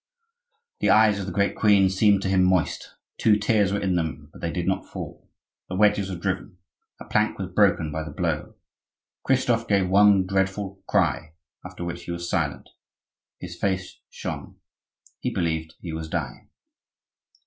The eyes of the great queen seemed to him moist; two tears were in them, but they did not fall. The wedges were driven; a plank was broken by the blow. Christophe gave one dreadful cry, after which he was silent; his face shone,—he believed he was dying.